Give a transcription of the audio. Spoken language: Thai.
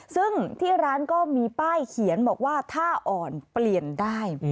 ซึ่งที่ร้านก็มีป้ายเขียนบอกว่าถ้าอ่อนเปลี่ยนได้